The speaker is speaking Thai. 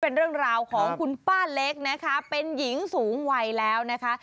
เป็นเรื่องราวของคุณป้าเล็กนะคะเป็นหญิงสูงวัยแล้วนะคะ